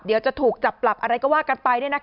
เดี๋ยวจะถูกจับปรับอะไรก็ว่ากันไป